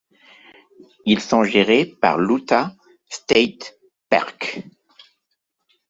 Ils sont gérés par l'Utah State Parks.